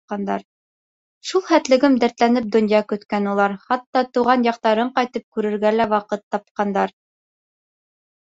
Шул хәтлем дәртләнеп донъя көткән улар, хатта тыуған яҡтарын ҡайтып күрергә лә ваҡыт тапмағандар.